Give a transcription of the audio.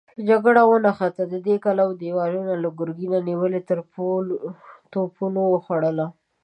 جګړه ونښته، د دې کلاوو دېوالونه له ګرګينه نيولو توپونو وخوړل.